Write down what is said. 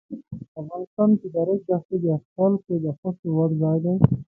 افغانستان کې د ریګ دښتې د خلکو د خوښې وړ ځای دی.